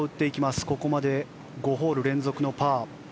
ここまで５ホール連続パー。